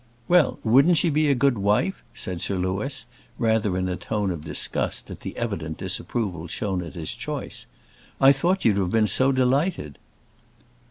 "Well, wouldn't she be a good wife?" said Sir Louis, rather in a tone of disgust at the evident disapproval shown at his choice. "I thought you'd have been so delighted."